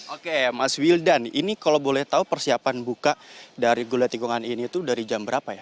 oke mas wildan ini kalau boleh tahu persiapan buka dari gulai tikungan ini tuh dari jam berapa ya